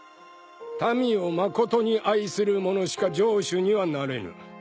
民をまことに愛する者しか城主にはなれぬ